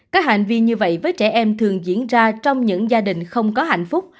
các hành vi như vậy với trẻ em thường diễn ra trong những gia đình không có hạnh phúc